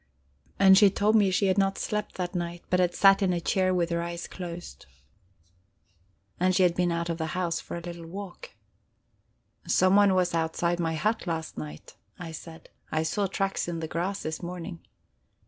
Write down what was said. And she told me she had not slept that night, but had sat in a chair with her eyes closed. And she had been out of the house for a little walk. "Someone was outside my hut last night," I said. "I saw tracks in the grass this morning."